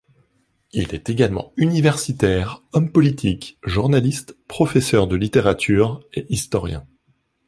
Il est également universitaire, homme politique, journaliste, professeur de littérature et historien.